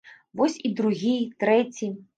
Вось і другі, трэці.